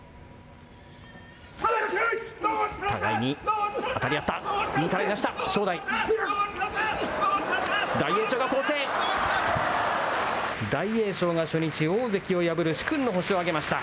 互いに当たりあった。